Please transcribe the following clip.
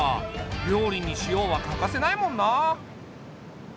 料理に塩は欠かせないもんな。